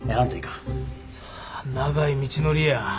長い道のりや。